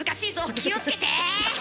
気をつけて！